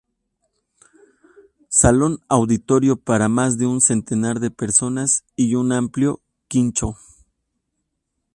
Salón auditorio para más de un centenar de personas y un amplio quincho.